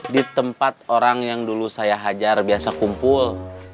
di tempat orang yang dulu saya hajar biasa kumpul